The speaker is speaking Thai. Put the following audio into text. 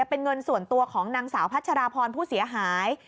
เป็นเงินส่วนตัวของนางสาวพัชราพรผู้เสียหาย